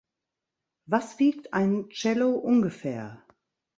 Was wiegt ein Cello ungefähr?